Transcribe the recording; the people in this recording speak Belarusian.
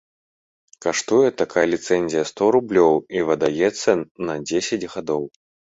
Каштуе такая ліцэнзія сто рублёў і выдаецца на дзесяць гадоў.